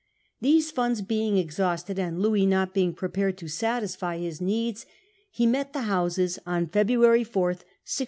These funds being exhausted, and Louis not being prepared to satisfy his needs, he met the Houses on February 4, 1673.